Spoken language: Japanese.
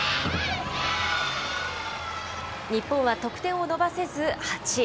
日本は得点を伸ばせず８位。